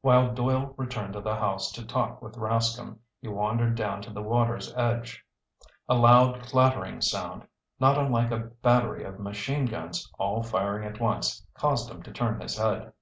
While Doyle returned to the house to talk with Rascomb, he wandered down to the water's edge. A loud, clattering sound, not unlike a battery of machine guns all firing at once, caused him to turn his head.